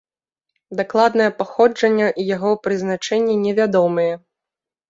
Дакладнае паходжанне і яго прызначэнне невядомыя.